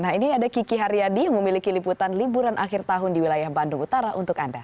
nah ini ada kiki haryadi yang memiliki liputan liburan akhir tahun di wilayah bandung utara untuk anda